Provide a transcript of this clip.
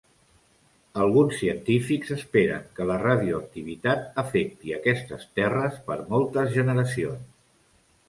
Alguns científics esperen que la radioactivitat afecti aquestes terres per moltes generacions.